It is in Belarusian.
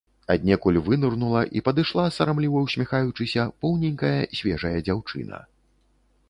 Аднекуль вынырнула і падышла, сарамліва ўсміхаючыся, поўненькая свежая дзяўчына.